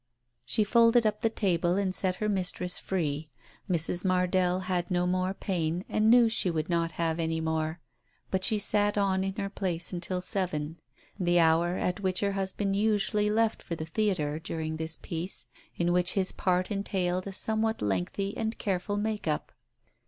She folded up the table and set her mistress free. Mrs. Mardell had no more pain and knew she would not have any more, but she sat on in her place until seven, the hour at which her husband usually left for the theatre during this piece, in which his part entailed a somewhat lengthy and careful make up.